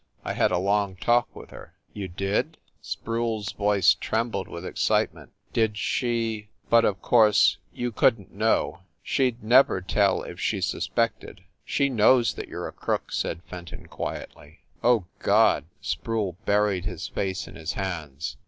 I had a long talk with her." "You did ?" Sproule s voice trembled with excite ment. "Did she but of course you couldn t know she d never tell if she suspected " "She knows that you re a crook," said Fenton quietly. THE NORCROSS APARTMENTS 293 "Oh God !" Sproule buried his face in his hands.